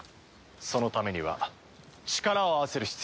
そのためには力を合わせる必要がある。